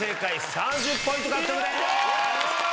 ３０ポイント獲得です！